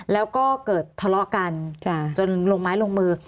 แล้วก็เกิดทะเลาะกันจนลงไม้ลงมือ